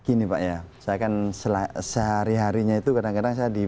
gini pak ya saya kan sehari harinya itu kadang kadang saya di